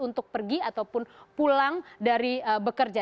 untuk pergi ataupun pulang dari bekerja